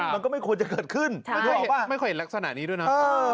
มันก็ไม่ควรจะเกิดขึ้นไม่ค่อยเห็นลักษณะนี้ด้วยนะ